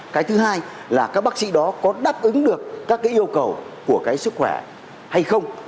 cái thứ hai là các bác sĩ đó có đáp ứng được các cái yêu cầu của cái sức khỏe hay không